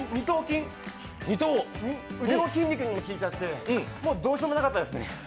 腕の筋肉にも効いちゃって、もうどうしようもなかったですね。